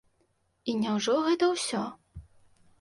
І няўжо гэта ўсё?